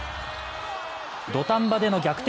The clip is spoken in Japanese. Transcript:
土壇場での逆転